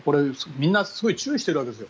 みんなすごく注意しているんですよ。